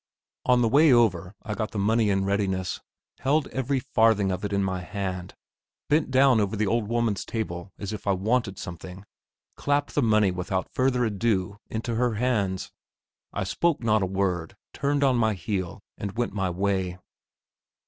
On the way over I got the money in readiness, held every farthing of it in my hand, bent down over the old woman's table as if I wanted something, clapped the money without further ado into her hands. I spoke not a word, turned on my heel, and went my way.